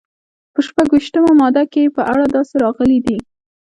په شپږویشتمه ماده کې یې په اړه داسې راغلي دي.